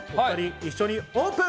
一緒にオープン！